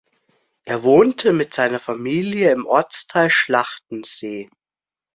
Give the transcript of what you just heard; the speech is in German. Er wohnte mit seiner Familie im Ortsteil Schlachtensee.